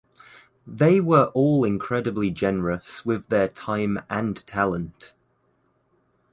They were all incredibly generous with their time and talent.